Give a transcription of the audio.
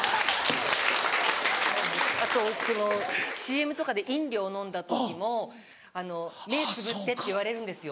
あとそのＣＭとかで飲料飲んだ時も目つぶってって言われるんですよ